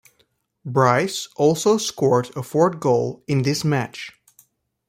Bryce also scored a fourth goal in this match.